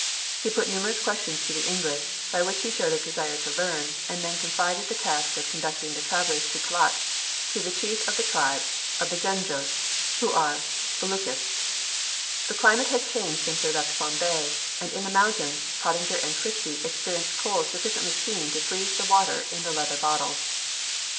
He put numerous questions to the English, by which he showed a desire to learn, and then confided the task of conducting the travellers to Kelat, to the chief of the tribe of Bezendjos, who are Belutchis. [Illustration: Beluchistan warriors. (Fac simile of early engraving.)] The climate had changed since they left Bombay, and in the mountains, Pottinger and Christie experienced cold sufficiently keen to freeze the water in the leather bottles.